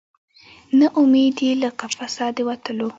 نه امید یې له قفسه د وتلو